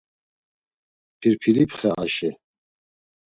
Pirpilipxe Aşe.